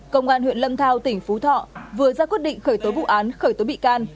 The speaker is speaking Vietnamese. công an huyện lâm thao tỉnh phú thọ vừa ra quyết định khởi tố vụ án khởi tố bị can